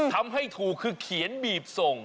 ทำให้ถูกคือเขียนบีบส่ง